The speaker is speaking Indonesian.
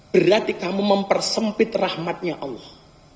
berarti kamu mempersempit rahmatnya allah